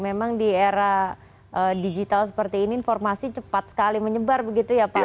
memang di era digital seperti ini informasi cepat sekali menyebar begitu ya pak